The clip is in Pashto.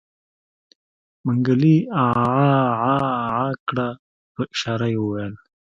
منګلي عاعاعا کړ په اشاره يې وويل.